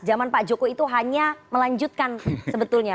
zaman pak joko itu hanya melanjutkan sebetulnya